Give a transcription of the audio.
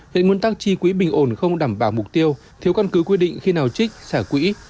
hiện nguyên tắc chi quỹ bình ổn không đảm bảo mục tiêu thiếu căn cứ quy định khi nào trích xả quỹ